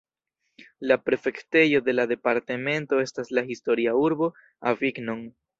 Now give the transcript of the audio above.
La prefektejo de la departemento estas la historia urbo Avignon.